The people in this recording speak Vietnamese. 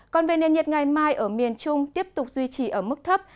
còn về nền nhiệt ngày mai ở miền trung tiếp tục duy trì ở mức thấp